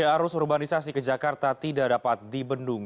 arus urbanisasi ke jakarta tidak dapat dibendung